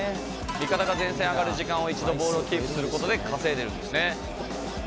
味方が前線上がる時間を一度ボールをキープする事で稼いでるんですね。